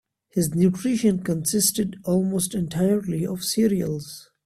His nutrition consisted almost entirely of cereals.